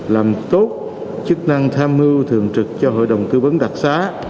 làm tốt chức năng tham mưu thường trực cho hội đồng tư vấn đặc xá